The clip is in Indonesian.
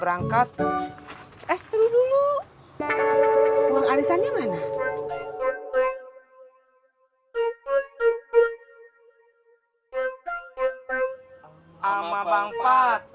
angkat eh dulu dulu uang alisannya mana sama bang patah